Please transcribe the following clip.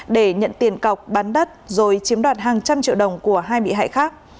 để nhận tiền cọc bán đất rồi chiếm đoạt hàng trăm triệu đồng của hai bị hại khác